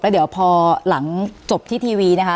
เดี๋ยวพอหลังจบที่ทีวีนะคะ